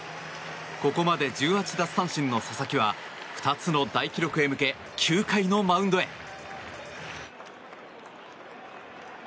ここまで１８奪三振の佐々木は２つの大記録へ向け９回のマウンドへ。